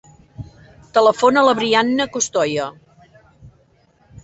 Telefona a la Brianna Costoya.